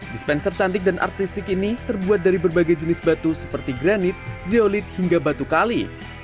dispenser cantik dan artistik ini terbuat dari berbagai jenis batu seperti granit zeolit hingga batu kali